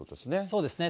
そうですね。